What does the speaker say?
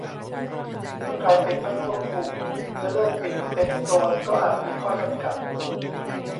ก็กลายเป็นไม่ควบคุม จะเลือกปิดเป็นโซน ก็อาจมีข้อจำกัด